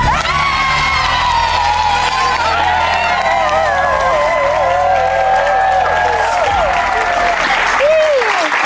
ถูกครับ